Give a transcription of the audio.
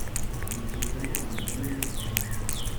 nyigiriramo amaganya; ndetse